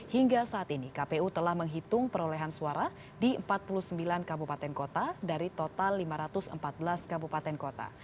hingga saat ini kpu telah menghitung perolehan suara di empat puluh sembilan kabupaten kota dari total lima ratus empat belas kabupaten kota